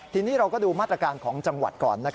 ทีนี้เราก็ดูมาตรการของจังหวัดก่อน